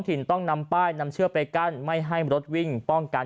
ถิ่นต้องนำป้ายนำเชือกไปกั้นไม่ให้รถวิ่งป้องกัน